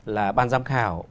là ban giám khảo